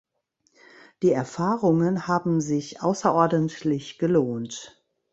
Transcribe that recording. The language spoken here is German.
Die Erfahrungen haben sich außerordentlich gelohnt.